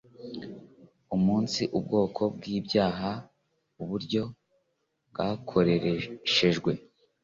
umunsi, ubwoko bw'ibyaha, uburyo bwakorereshejwe